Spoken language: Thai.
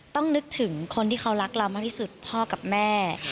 นึกถึงคนที่เขารักเรามากที่สุดพ่อกับแม่